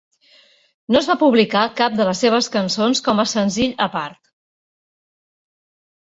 No es va publicar cap de les seves cançons com a senzill a part.